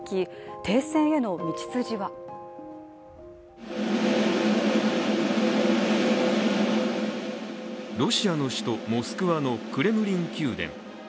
停戦への道筋はロシアの首都モスクワのクレムリン宮殿。